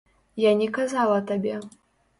Я не казала табе.